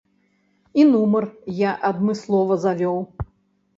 І нумар я адмыслова завёў.